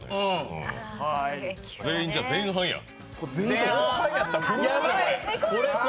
全員前半やん。